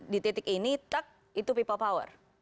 di titik ini tak itu people power